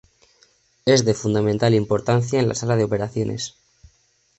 Es de fundamental importancia en la sala de operaciones.